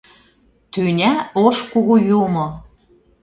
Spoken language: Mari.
Тӱня Ош Кугу Юмо!